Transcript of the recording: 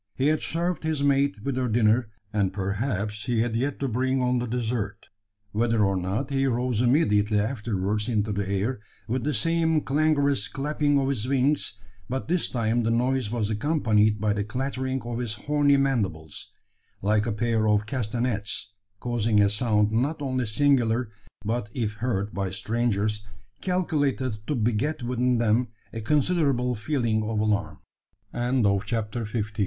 He had served his mate with her dinner, and perhaps he had yet to bring on the dessert. Whether or not, he rose immediately afterwards into the air, with the same clangorous clapping of his wings; but this time the noise was accompanied by the clattering of his horny mandibles, like a pair of castanets, causing a sound not only singular, but, if heard by strangers, calculated to beget within them a considerable feeling of alarm. CHAPTER SIXTEEN. A F